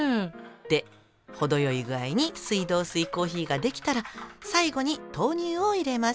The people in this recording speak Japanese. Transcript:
で程よい具合に水道水コーヒーが出来たら最後に豆乳を入れます。